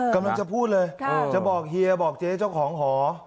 กำลังจะพูดเลยจะบอกเฮียบอกเจ๊เจ้าของหอ